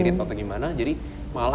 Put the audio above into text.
dulu tuh dia apa ya